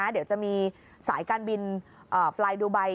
เดี๋ยวจะมีสายการบินไฟล์ดูไบ